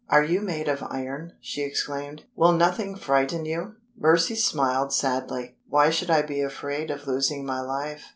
"Are you made of iron?" she exclaimed. "Will nothing frighten you?" Mercy smiled sadly. "Why should I be afraid of losing my life?"